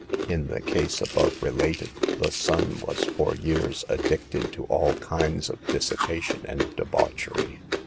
In the case above related, the son was for years addicted to ill kinds of dissipation and debauchery.